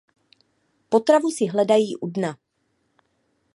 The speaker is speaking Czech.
Potravu si hledají u dna.